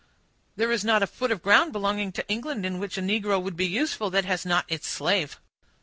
There is not a foot of ground belonging to England, in which a negro would be useful, that has not its slave.